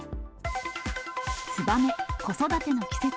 ツバメ、子育ての季節。